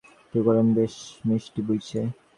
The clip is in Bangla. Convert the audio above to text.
মাতোর মা বলিল, নেও না দিদি ঠাকুরোন, বেশ মিষ্টি বুইচে।